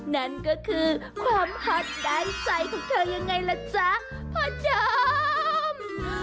นั่นก็คือความฮอตด้านใจของเธอยังไงล่ะจ๊ะพ่อเดิม